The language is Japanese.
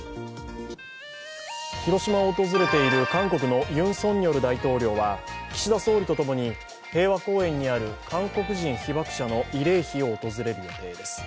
広島を訪れている韓国のユン・ソンニョル大統領は岸田総理と共に平和公園にある韓国人被爆者の慰霊碑を訪れる予定です。